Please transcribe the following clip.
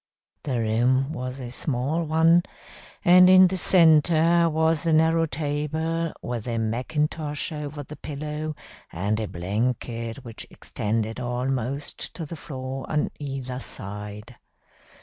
The room was a small one, and in the centre was in the narrow table, with a macintosh over the pillow, and a blanket which extended almost to the floor on either side.